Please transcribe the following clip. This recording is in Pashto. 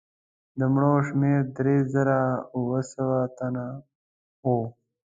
د مړو شمېر درې زره اووه سوه تنه وو.